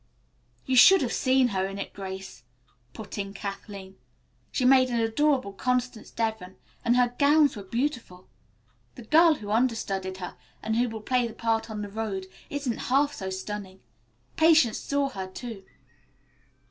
"You should have seen her in it, Grace," put in Kathleen. "She made an adorable Constance Devon, and her gowns were beautiful. The girl who understudied her, and who will play the part on the road, isn't half so stunning. Patience saw her, too."